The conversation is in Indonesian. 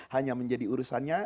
hanya menjadi urusannya